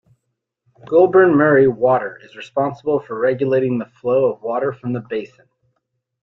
Goulburn-Murray Water is responsible for regulating the flow of water from the basin.